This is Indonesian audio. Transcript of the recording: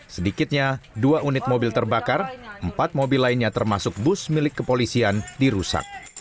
sedikitnya dua unit mobil terbakar empat mobil lainnya termasuk bus milik kepolisian dirusak